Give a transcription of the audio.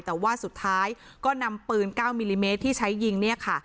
แต่ว่าสุดท้ายก็นำปืน๙มิลลิเมตรที่ใช้ยิงเนี่ยค่ะ